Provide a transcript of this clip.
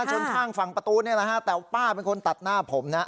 ชนข้างฝั่งประตูนี่แหละฮะแต่ป้าเป็นคนตัดหน้าผมนะ